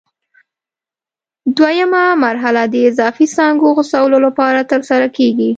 دوه یمه مرحله د اضافي څانګو غوڅولو لپاره ترسره کېږي.